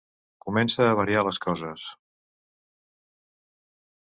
Comença a variar les coses.